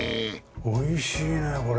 おいしいねこれ。